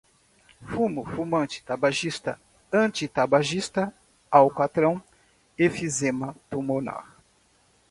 fumo, fumante, tabagista, antitabagista, alcatrão, enfisema pulmonar